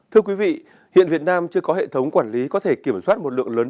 thưa quý vị hiện việt nam chưa có hệ thống quản lý có thể kiểm soát một lượng lớn